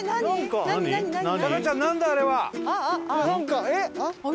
なんかえっ？